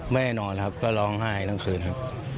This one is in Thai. แน่นอนครับก็ร้องไห้ทั้งคืนครับ